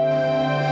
aku ingin mencobanya